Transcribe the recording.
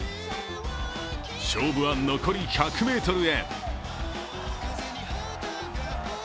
勝負は残り１００ｍへ。